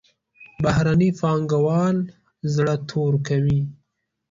بهرني پانګوال زړه تور کوي.